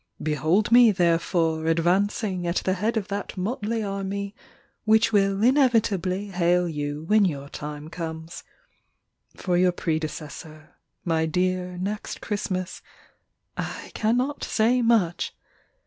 Behold me, therefore, advancing At the head of that motley army Which will inevitably hail you When your time comes. For your predecessor, My dear Next Christmas, I cannot say much.